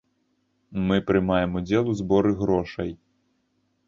Мы прымаем удзел у зборы грошай.